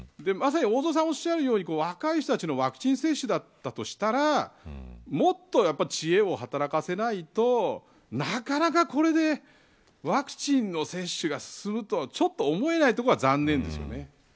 大空さんがおっしゃるように若い人たちのワクチン接種だったとしたらもっと知恵を働かせないとなかなかこれでワクチンの接種が進むとはちょっと思えないところが残念です。